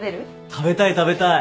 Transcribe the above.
食べたい食べたい。